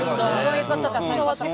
そういうことかそういうことか。